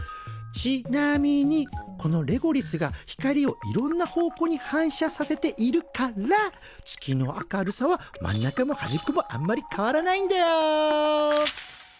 ちなみにこのレゴリスが光をいろんな方向に反射させているから月の明るさは真ん中もはじっこもあんまり変わらないんだよ。